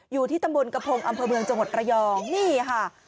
อยู่ที่ตำบลกระพงอำเภอเมืองจังหวัดระยองนี่ค่ะ